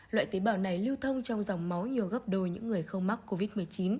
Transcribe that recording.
loại tế bào này lưu thông trong dòng máu nhiều gấp đôi những người không mắc covid một mươi chín